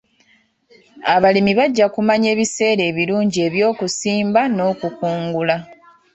Abalimi bajja kumanya ebiseera ebirungi eby'okusimba n'okukungula.